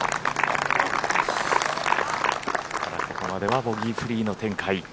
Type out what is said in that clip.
ここまではボギーフリーの展開。